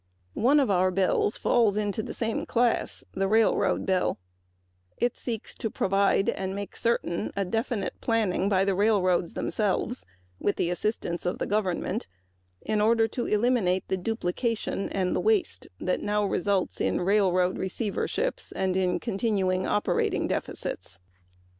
Our Railroad Bill falls into the same class because it seeks to provide and make certain definite planning by the railroads themselves, with the assistance of the government, to eliminate the duplication and waste that is now resulting in railroad receiverships and continuing operating deficits.